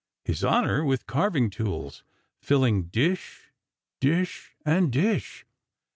His Honor, with carving tools filling dish, dish, and dish.